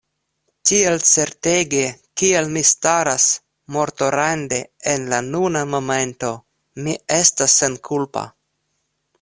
Tiel certege kiel mi staras mortorande en la nuna momento, mi estas senkulpa.